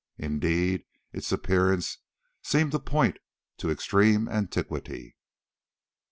Indeed, its appearance seemed to point to extreme antiquity.